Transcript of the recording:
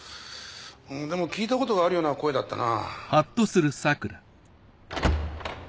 でも聞いたことがあるような声だったな。